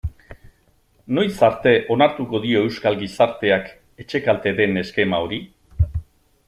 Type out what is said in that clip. Noiz arte onartuko dio euskal gizarteak etxekalte den eskema hori?